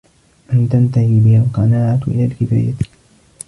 أَنْ تَنْتَهِيَ بِهِ الْقَنَاعَةُ إلَى الْكِفَايَةِ